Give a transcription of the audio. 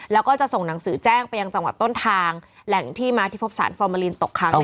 แล้วก็จะส่งหนังสือแจ้งไปยังจังหวัดต้นทางแหล่งที่มาที่พบสารฟอร์มาลีนตกค้าง